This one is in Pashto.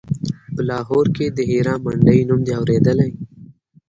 په لاهور کښې د هيرا منډيي نوم دې اورېدلى.